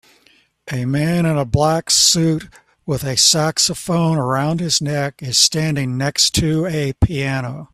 A man in a black suite with a saxophone around his neck is standing next to a piano